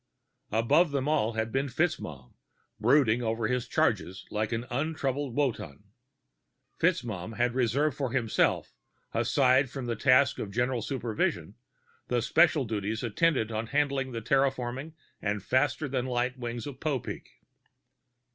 Above them all had been FitzMaugham, brooding over his charges like an untroubled Wotan; FitzMaugham had reserved for himself, aside from the task of general supervision, the special duties attendant on handling the terraforming and faster than light wings of Popeek.